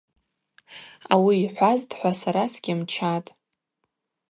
Ауи йхӏвазтӏхӏва сара сгьымчатӏ.